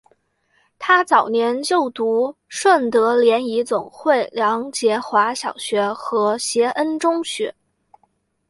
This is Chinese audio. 她早年就读顺德联谊总会梁洁华小学和协恩中学。